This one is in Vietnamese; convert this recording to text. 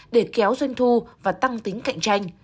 để kéo doanh thu và tăng tính cạnh tranh